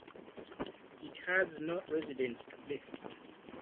It has no residents today.